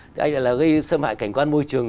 thì anh lại là gây xâm hại cảnh quan môi trường